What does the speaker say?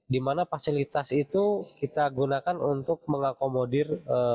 di mana fasilitas itu kita gunakan untuk mengakomodir